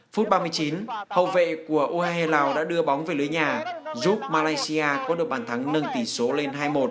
phút ba mươi chín hậu vệ của u hai mươi lào đã đưa bóng về lưới nhà giúp malaysia có được bàn thắng nâng tỷ số lên hai một